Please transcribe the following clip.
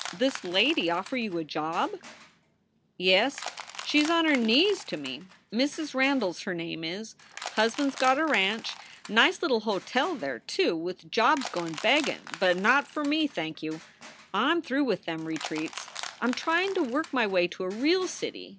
"This lady offer you a job?" SOULS FOR SALE 117 " Yes. She s on her knees to me. Mrs. Randies her name is. Husband s got a ranch. Nice little hotel there, too, with jobs goin beggin ; but not for me, thank you. I m through with them retreats. I m tryin to work my way to a real city.